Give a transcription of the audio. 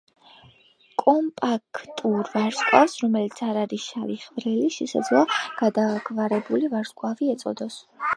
კომპაქტურ ვარსკვლავს, რომელიც არ არის შავი ხვრელი, შესაძლოა გადაგვარებული ვარსკვლავი ეწოდოს.